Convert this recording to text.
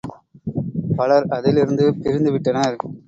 பலர் அதிலிருந்து பிரிந்துவிட்டனர்.